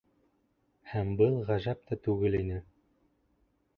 Һәм был ғәжәп тә түгел ине.